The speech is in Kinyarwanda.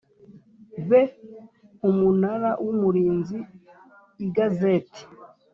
be Umunara w Umurinzi Igazeti